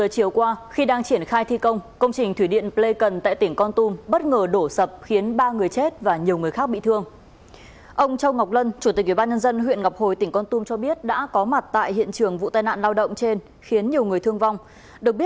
hãy đăng ký kênh để ủng hộ kênh của chúng mình nhé